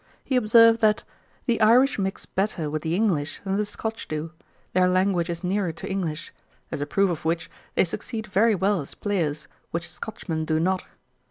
He observed that 'The Irish mix better with the English than the Scotch do; their language is nearer to English; as a proof of which, they succeed very well as players, which Scotchmen do not.